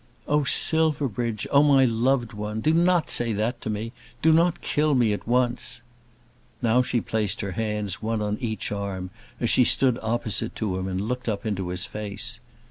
"Oh, Silverbridge; oh, my loved one! Do not say that to me! Do not kill me at once!" Now she placed her hands one on each arm as she stood opposite to him and looked up into his face.